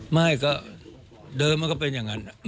ไม่ก็เดิมมันก็เป็นอย่างนั้น